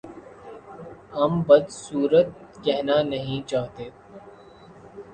ہم بد صورت کہنا نہیں چاہتے